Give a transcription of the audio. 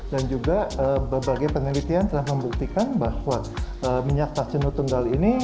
dan juga berbagai penelitian telah membuktikan bahwa minyak tak jenuh tunggal ini